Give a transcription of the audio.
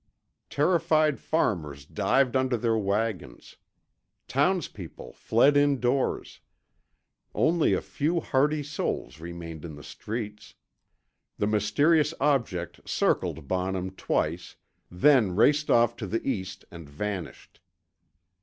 Terrified farmers dived under their wagons. Townspeople fled indoors. Only a few hardy souls remained in the streets. The mysterious object circled Bonham twice, then raced off to the cast and vanished.